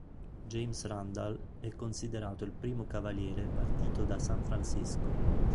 James Randall è considerato il primo cavaliere partito da San Francisco.